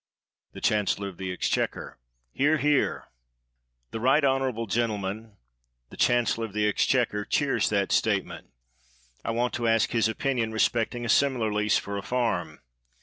[The chancellor of the exchequer: "Hear, hear!"] The right honorable gentleman, the chancellor of the exchequer, cheers that statement. I want to ask his opinion respecting a similar lease for a farm.